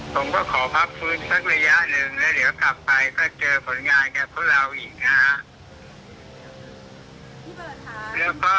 ผมก็ขอพักฟื้นสักระยะหนึ่งแล้วเดี๋ยวกลับไปก็เจอผลงานกับพวกเราอีกนะฮะ